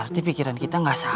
berarti pikiran kita gak sama med